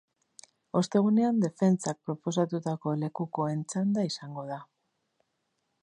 Ostegunean, defentsak proposatutako lekukoen txanda izango da.